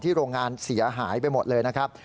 โรงงานเสียหายไปหมดเลยนะครับ